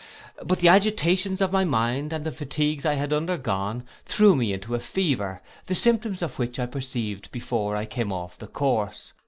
But the agitations of my mind, and the fatigues I had undergone, threw me into a fever, the symptoms of which I perceived before I came off the course.